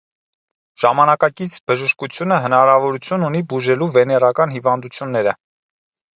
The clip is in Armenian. Ժամանակից բժշկութիւնը հնարաւորութիւն ունի բուժելու վեներական հիւանդութիւնները։